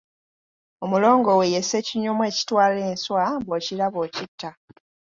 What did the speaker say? Omulongo we ye Ssekinyomo ekitwala enswa, bw'okiraba okitta.